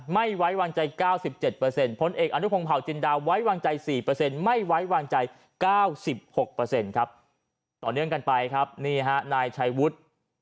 ไม่ไว้วางใจ๙๗เปอร์เซ็นต์